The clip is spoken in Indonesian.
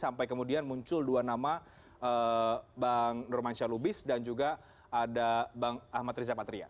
sampai kemudian muncul dua nama bang nurman syah lubis dan juga ada bang ahmad riza patria